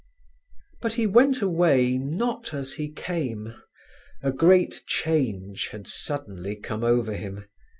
But he went away not as he came. A great change had suddenly come over him.